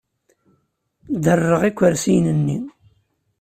Derrereɣ ikersiyen-nni.